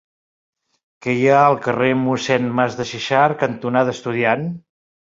Què hi ha al carrer Mossèn Masdexexart cantonada Estudiant?